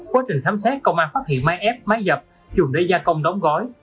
quá trình khám xét công an phát hiện máy ép máy dập dùng để gia công đóng gói